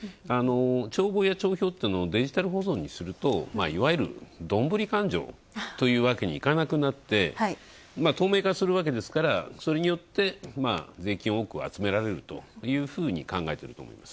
帳簿や帳票というのをデジタルにするといわゆるどんぶり勘定というわけにはいかなくなって、透明化するわけですから、それによって、税金を多く集められるというふうに考えてると思うんです。